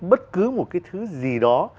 bất cứ một cái thứ gì đó